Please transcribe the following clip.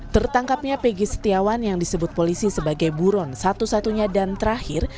tertangkapnya peggy setiawan yang disebut polisi sebagai buron satu satunya dan terakhir